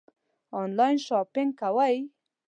آنلاین شاپنګ کوئ؟